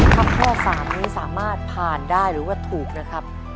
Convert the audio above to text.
ถ้าข้อ๓นี้สามารถผ่านได้หรือว่าถูกนะครับ